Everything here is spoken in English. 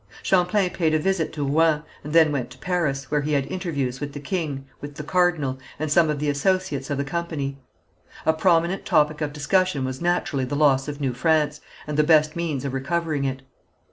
Champlain paid a visit to Rouen, and then went to Paris, where he had interviews with the king, with the cardinal, and some of the associates of the company. A prominent topic of discussion was, naturally, the loss of New France, and the best means of recovering it.